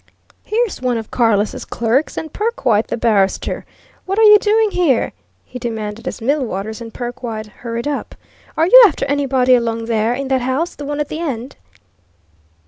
"Here's one of Carless' clerks, and Perkwite the barrister. What are you doing here?" he demanded, as Millwaters and Perkwite hurried up. "Are you after anybody along there in that house the one at the end?"